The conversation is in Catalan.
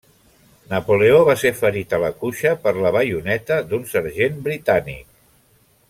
Napoleó va ser ferit a la cuixa per la baioneta d'un sergent britànic.